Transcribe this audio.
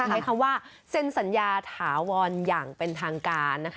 ใช้คำว่าเซ็นสัญญาถาวรอย่างเป็นทางการนะคะ